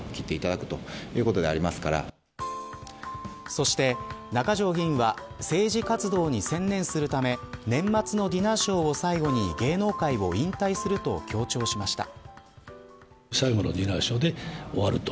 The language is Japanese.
そして中条議員は政治活動に専念するため年末のディナーショーを最後に芸能界を引退すると強調しました。